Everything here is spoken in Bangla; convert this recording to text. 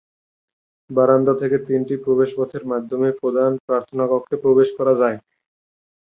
বারান্দা থেকে তিনটি প্রবেশপথের মাধ্যমে প্রধান প্রার্থনা কক্ষে প্রবেশ করা যায়।